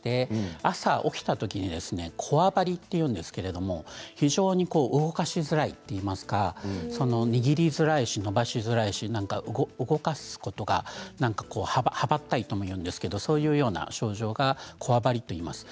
朝起きたときこわばりというんですが動かしづらいといいますか握りづらい、伸ばしづらい動かすことがはばったいとも言うんですけどもそういう症状がこわばりといいます。